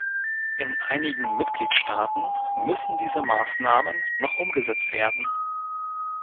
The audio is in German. In einigen Mitgliedstaaten müssen diese Maßnahmen noch umgesetzt werden.